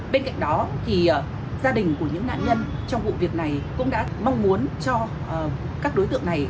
bên cạnh đó gia đình của những nạn nhân trong vụ việc này cũng đã mong muốn cho các đối tượng này